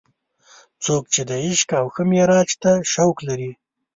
څوک چې د عیش او ښه معراج ته شوق لري.